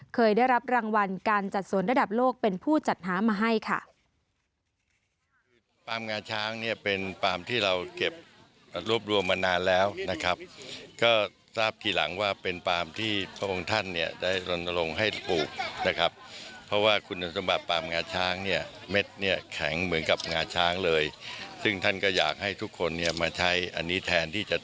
เคยได้รับรางวัลการจัดสวนระดับโลกเป็นผู้จัดหามาให้ค่ะ